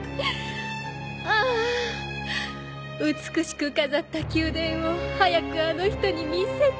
ああ美しく飾った宮殿を早くあの人に見せてあげなきゃ。